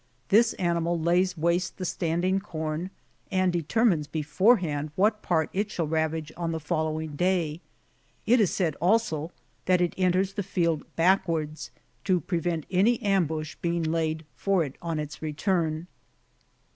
This animal lays waste the standing corn, and determines beforehand what part it shall ravage on the following day ; it is said also, that it enters the field backwards, to prevent any ambush being laid for it on its return.